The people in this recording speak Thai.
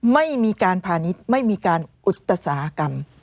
ไม่มีการพาณิชย์ไม่มีการอุตสาหกรรม